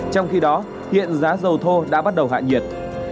trong khi đó hiện giá dầu thô đã bắt đầu hạ nhiệt